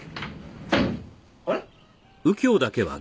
あれ？